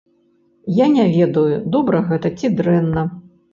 Я не ведаю, добра гэта ці дрэнна.